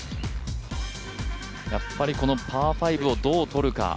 やっぱりこのパー５をどう取るか。